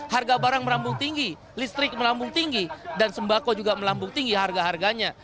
harga barang melambung tinggi listrik melambung tinggi dan sembako juga melambung tinggi harga harganya